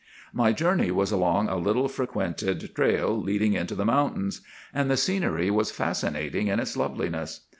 My journey was along a little frequented trail leading into the mountains, and the scenery was fascinating in its loveliness.